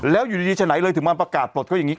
แล้วอยู่ดีฉะไหนเลยถึงมาประกาศปลดเขาอย่างนี้